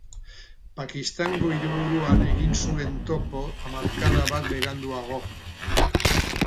Pakistango hiriburuan egin zuten topo hamarkada bat beranduago.